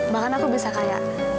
bahkan aku bisa kayak